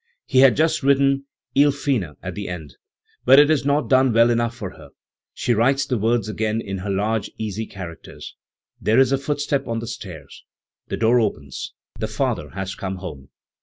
He has just written 77 Fine at the end. But it is not done well enough for her; she writes the words again in her large, easy characters. There is a footstep on the stairs; the door opens; the father has come home.